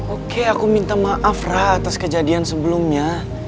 oke aku minta maaf rah atas kejadian sebelumnya